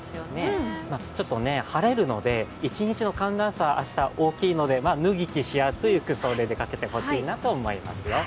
ちょっと晴れるので一日の寒暖差明日、大きいので脱ぎ着しやすい服装で出かけてほしいなと思いますよ。